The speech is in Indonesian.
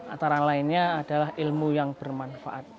antara lainnya adalah ilmu yang bermanfaat